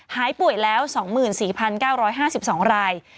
หายป่วยแล้ว๒๔๙๕๒ราย